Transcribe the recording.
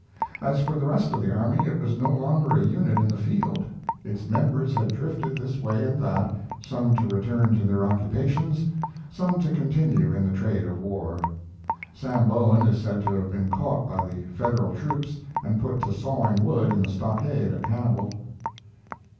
As for the rest of the army, it was no longer a unit in the field. Its members had drifted this way and that, some to return to their occupations, some to continue in the trade of war. Sam Bowen is said to have been caught by the Federal troops and put to sawing wood in the stockade at Hannibal.